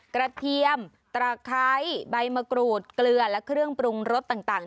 เทียมตระไคร้ใบมะกรูดเกลือและเครื่องปรุงรสต่าง